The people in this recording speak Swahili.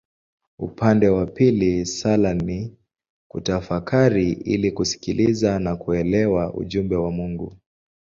Upande wa pili sala ni kutafakari ili kusikiliza na kuelewa ujumbe wa Mungu.